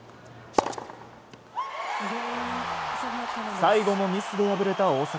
最後もミスで敗れた大坂。